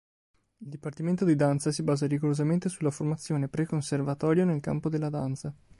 Il dipartimento di danza si basa rigorosamente sulla formazione pre-conservatorio nel campo della danza.